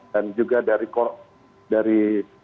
dan juga dari